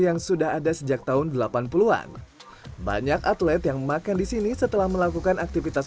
yang sudah ada sejak tahun delapan puluh an banyak atlet yang makan di sini setelah melakukan aktivitas